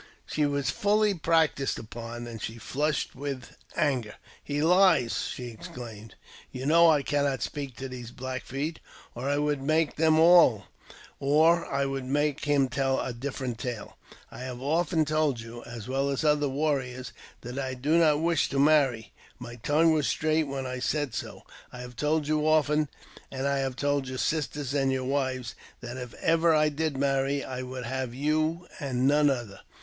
She was fully practiced upon, and she flushed with anger. j"He lies !" she exclaimed. "You know I cannot speak to these Black Feet, or I would make him tell a different tale. I ihave told you, as well as other warriors, that I do not wish to ioaarry ; my tongue was straight when I said so. I have told you often, and I have told your sisters and your wives, that, if ever I did marry, I would have you, and none other.